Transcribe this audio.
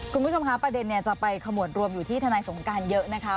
คุณผู้ชมคะประเด็นจะไปขมวดรวมอยู่ที่ทนายสงการเยอะนะคะ